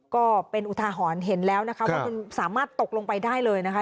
ก็เป็นอุทาหรณ์เห็นแล้วนะคะว่ามันสามารถตกลงไปได้เลยนะคะ